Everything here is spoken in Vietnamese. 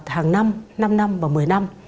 hàng năm năm năm và mười năm